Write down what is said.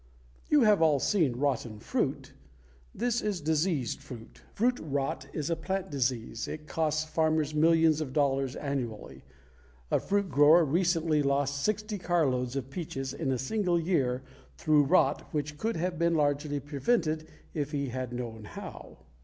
You have all seen rotten fruit. This is diseased fruit. Fruit rot is a plant disease. It costs farmers millions of dollars annually. A fruit grower recently lost sixty carloads of peaches in a single year through rot which could have been largely prevented if he had known how.